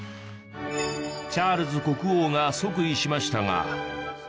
チャールズ国王が即位しましたが。